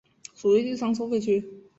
属于第三收费区。